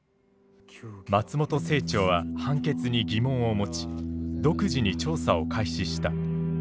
松本清張は判決に疑問を持ち独自に調査を開始した。